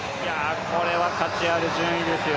これは価値ある順位ですよ。